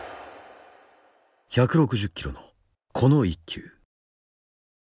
１６０キロのこの１球。